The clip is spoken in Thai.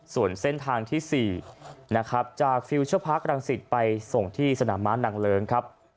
ส่วนเส้นทางที่๔นะครับจากฟิลเชอร์พาร์ครังสิตไปส่งที่สนามม้านางเลิ้งครับ